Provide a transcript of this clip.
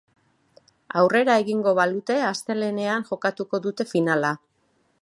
Aurrera egingo balute astelehenean jokatuko dute finala.